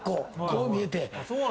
こう見えて。